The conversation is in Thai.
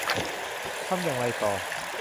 ทำอย่างไรต่อ